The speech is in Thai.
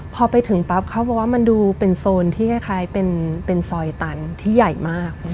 พอไปถึงปั๊บเขาบอกว่ามันดูเป็นโซนที่คล้ายเป็นซอยตันที่ใหญ่มาก